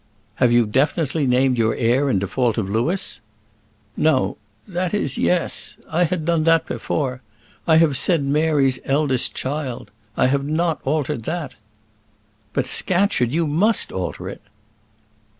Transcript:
"Have you definitely named your heir in default of Louis?" "No that is yes I had done that before; I have said Mary's eldest child: I have not altered that." "But, Scatcherd, you must alter it."